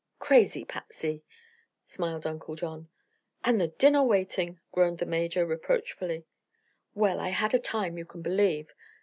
"Crazy Patsy!" smiled Uncle John. "And the dinner waiting!" groaned the Major, reproachfully. "Well, I had a time, you can believe!"